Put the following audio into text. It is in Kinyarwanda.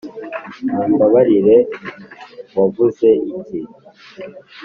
mumbabarire, wavuze iki?